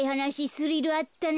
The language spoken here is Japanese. スリルあったな。